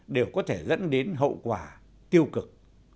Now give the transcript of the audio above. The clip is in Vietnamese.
đều có thể dẫn đến hậu quả tiêu cực